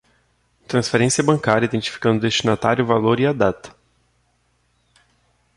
Transferência bancária identificando o destinatário, o valor e a data.